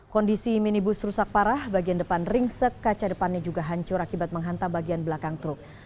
kondisi minibus rusak parah bagian depan ringsek kaca depannya juga hancur akibat menghantam bagian belakang truk